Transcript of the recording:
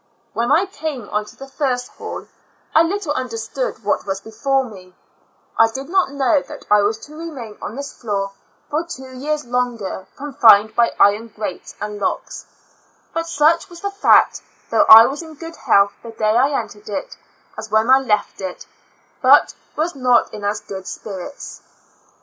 When I came on to the first hall, I little understood what was before me; I did not know that I was to remain on this floor for two years longer, confined by iron grates and locks; but such was the fact, though I was in as good health the day I entered it Y8 Two Years and Four Months as when I left it, but was not in as good eiDirits.